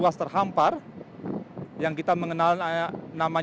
jemaah yang berjalan